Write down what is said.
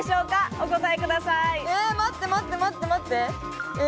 お答えください。